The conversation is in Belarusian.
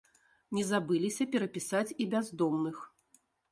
Не забыліся перапісаць і бяздомных.